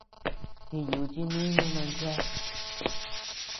Jiyúchi nínu non chéa.